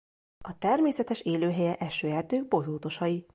A természetes élőhelye esőerdők bozótosai.